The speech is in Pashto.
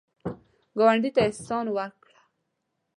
ګاونډي ته احسان وکړه